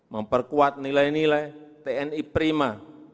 memperkuat nilai nilai tni prima